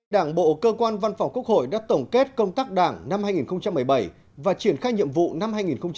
đảng bộ cơ quan văn phòng quốc hội đã tổng kết công tác đảng năm hai nghìn một mươi bảy và triển khai nhiệm vụ năm hai nghìn một mươi chín